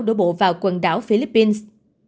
đổ bộ vào quần đảo philippines